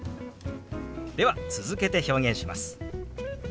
では続けて表現します。